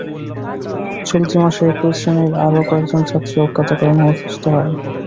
চলতি মাসে একই শ্রেণির আরও কয়েকজন ছাত্রী অজ্ঞাত কারণে অসুস্থ হয়।